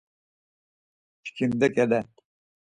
Çkimde ǩele.